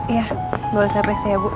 iya boleh saya preksa ya bu